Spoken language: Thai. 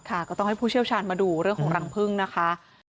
ก็ต้องให้ผู้เชี่ยวชาญมาดูเรื่องของรังพึ่งนะคะ